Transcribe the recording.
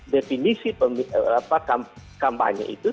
definisi kampanye itu